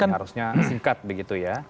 harusnya singkat begitu ya